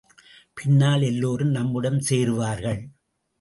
பின்னால் எல்லோரும் நம்முடன் சேருவார்கள்.